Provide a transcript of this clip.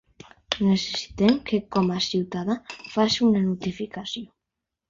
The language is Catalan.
Necessitem que com a ciutadà, faci una notificació.